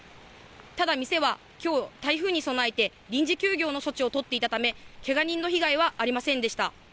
ただ店はきょう、台風に備えて、臨時休業の措置を取っていたため、けが人の被害はありませんでした。